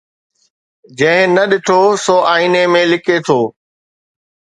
جنهن نه ڏٺو سو آئيني ۾ لڪي ٿو